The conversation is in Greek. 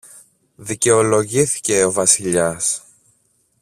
δικαιολογήθηκε ο Βασιλιάς